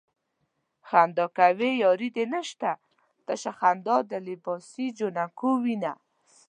خندا کوې ياري دې نشته تشه خندا د لباسې جنکو وينه